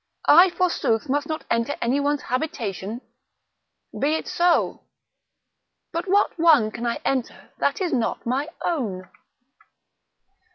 I forsooth must not enter any one's habitation! Be it so; but what one can I enter that is not my own?"